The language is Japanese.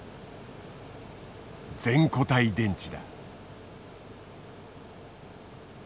「全固体電池」だ。